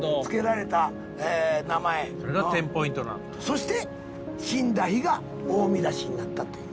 そして死んだ日が大見出しになったという。